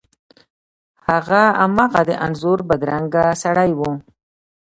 هغه هماغه د انځور بدرنګه سړی و.